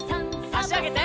あしあげて。